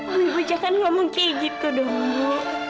ibu jangan ngomong kayak gitu dong ibu